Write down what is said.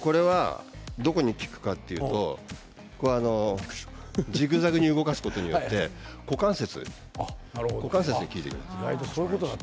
これはどこに効くかというとジグザグに動かすことによって股関節に効いてくるんです。